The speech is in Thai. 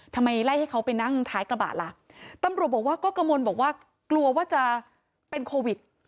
ทำไมไล่ให้เขาไปนั่งท้ายกระบะล่ะตำรวจบอกว่าก็กระมวลบอกว่ากลัวว่าจะเป็นโควิด